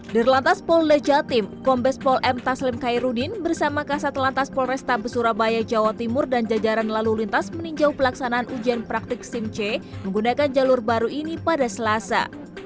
di relantas polle jatim kombes pol m taslim khairudin bersama kasat lantas polres tabes surabaya jawa timur dan jajaran lalu lintas meninjau pelaksanaan ujian praktik sim c menggunakan jalur baru ini pada selasa